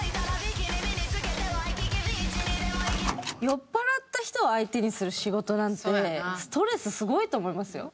酔っ払った人を相手にする仕事なんてストレスすごいと思いますよ。